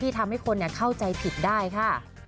ทำให้คนเข้าใจผิดได้ค่ะ